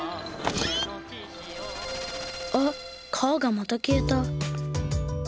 あっ川がまたきえた。